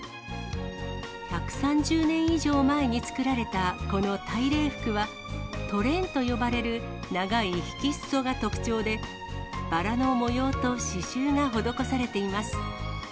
１３０年以上前に作られたこの大礼服は、トレーンと呼ばれる長い引きすそが特徴で、バラの模様と刺しゅうが施されています。